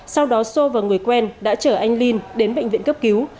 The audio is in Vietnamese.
sau đó xô và người quen đã chở anh linh đến bệnh viện cấp cứu